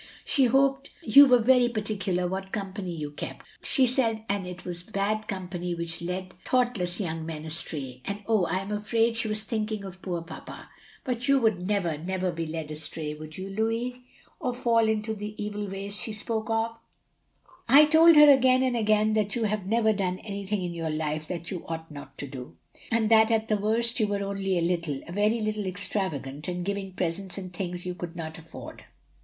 She hoped you were very particular what company you kept, she said, and it was bad company which led thoughtless young men astray, and oh, I am afraid she was thinking of poor papa; but you would never never be led astray would you, Louis, or fall into the evil ways she spoke off I told her again and again that you had never done anything in your life that you ought not to do — and that at the worst you were only a little — a very little extravagant in giving presents and things you could not afford.